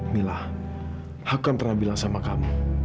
mila aku kan pernah bilang sama kamu